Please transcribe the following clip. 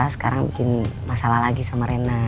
sekarang bikin masalah lagi sama rena